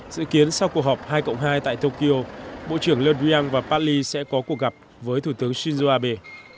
dự kiến sau cuộc họp hai hai tại tokyo bộ trưởng le drian và pagli sẽ có cuộc gặp với thủ tướng shinzo abe